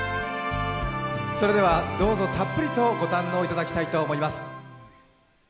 それではどうぞたっぷりと御堪能いただきたいと思います。